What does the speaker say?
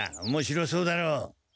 おもしろそうだろう！